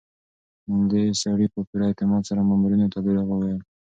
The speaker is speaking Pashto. دې سړي په پوره اعتماد سره مامورینو ته دروغ وویل.